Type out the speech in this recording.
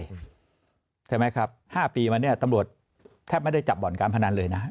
ใช่ไหมครับ๕ปีมาเนี่ยตำรวจแทบไม่ได้จับบ่อนการพนันเลยนะ